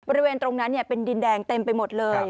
บริเวณตรงนั้นเป็นดินแดงเต็มไปหมดเลย